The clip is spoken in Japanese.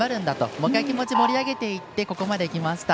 もう１回気持ちを盛り上げていってここまできました。